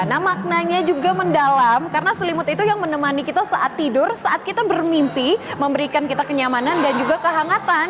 nah maknanya juga mendalam karena selimut itu yang menemani kita saat tidur saat kita bermimpi memberikan kita kenyamanan dan juga kehangatan